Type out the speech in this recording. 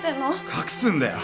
隠すんだよ。